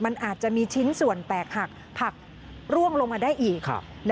มันอาจจะมีชิ้นส่วนแตกหักผักร่วงลงมาได้อีก